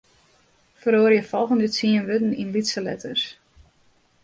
Feroarje folgjende tsien wurden yn lytse letters.